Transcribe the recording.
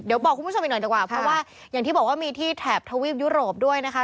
เดี๋ยวบอกคุณผู้ชมอีกหน่อยดีกว่าเพราะว่าอย่างที่บอกว่ามีที่แถบทวีปยุโรปด้วยนะคะ